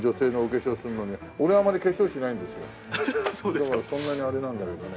だからそんなにあれなんだけどね。